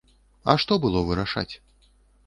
А што было вырашаць?